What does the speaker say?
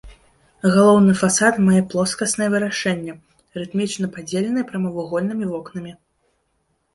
Галоўны фасад мае плоскаснае вырашэнне, рытмічна падзелены прамавугольнымі вокнамі.